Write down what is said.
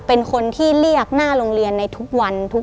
เป็นคนที่เรียกหน้าโรงเรียนในทุกวัน